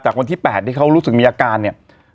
วันที่๘ที่เขารู้สึกมีอาการเนี่ย